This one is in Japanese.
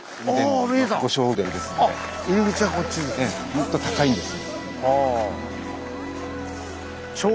もっと高いんです。